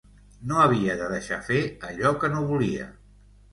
No havia de deixar fer allò que no volia.